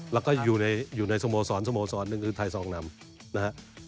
แล้วก็อยู่ในสโมสรสโมสรหนึ่งคือไทยซองนำนะฮะ